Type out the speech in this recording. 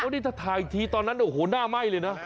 นี่ถ้าถ่ายอีกทีตอนนั้นโอ้โหหน้าไหม้เลยนะ